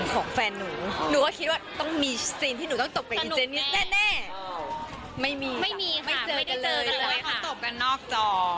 โสดค่ะโสดร้อยเปอร์เซ็นต์